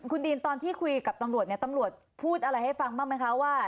คุณดีนตอนที่คุยกับตำรวจเนี่ยตำรวจพูดอะไรให้ฟังบ้างไหมคะว่า